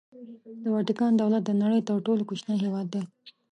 د واتیکان دولت د نړۍ تر ټولو کوچنی هېواد دی.